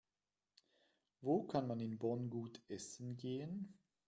Wo kann man in Bonn gut essen gehen?